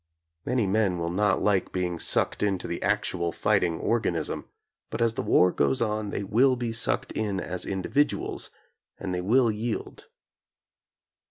Many men will not like being sucked into the ac tual fighting organism, but as the war goes on they will be sucked in as individuals and they will yield.